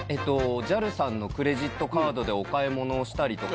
ＪＡＬさんのクレジットカードでお買い物をしたりとか。